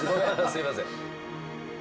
すいません。